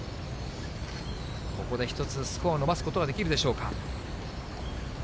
ここで一つ、スコアを伸ばすことができるでしょうか。